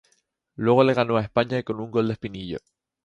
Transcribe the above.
Luego le ganó a España con un gol de Espinillo.